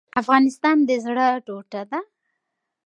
افغانستان د زړه ټوټه ده؟